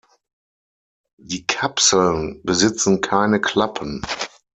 Die Kapseln besitzen keine Klappen.